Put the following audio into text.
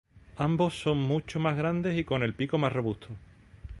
Ambos son mucho más grandes y con el pico más robusto.